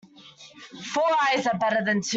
Four eyes are better than two.